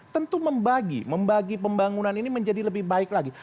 tentu membagi pembangunan ini menjadi lebih baik lagi